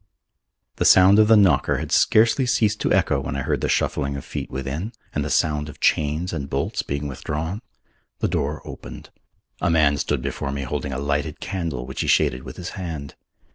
The sound of the knocker had scarcely ceased to echo when I heard the shuffling of feet within, and the sound of chains and bolts being withdrawn. The door opened. A man stood before me holding a lighted candle which he shaded with his hand.